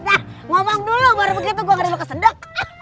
ngomong dulu baru begitu gue ngeri lo kesedok